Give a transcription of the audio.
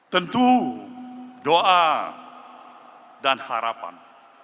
tentu doa dan harapan